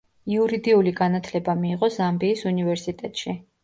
იურიდიული განათლება მიიღო ზამბიის უნივერსიტეტში.